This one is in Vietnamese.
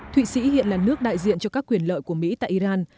thụy sĩ hiện là nước đại diện cho các quyền lợi của mỹ tại iran